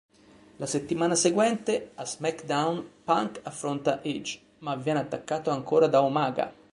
La settimana seguente, a "SmackDown", Punk affronta Edge, ma viene attaccato ancora da Umaga.